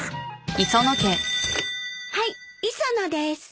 ☎はい磯野です。